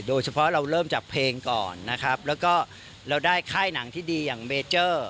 โดยเฉพาะเราเริ่มจากเพลงก่อนนะครับแล้วก็เราได้ค่ายหนังที่ดีอย่างเมเจอร์